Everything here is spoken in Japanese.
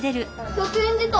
１００円出た！